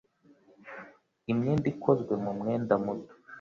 Imyenda ikozwe mu mwenda muto.